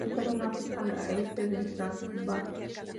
Se encuentran en África: al este del Transvaal.